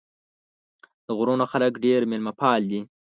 د غرونو خلک ډېر مېلمه پال دي.